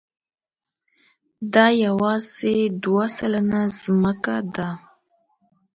دا یواځې دوه سلنه ځمکه ده.